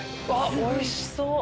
おいしそう！